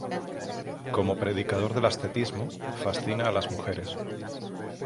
Como predicador del ascetismo, fascina a las mujeres.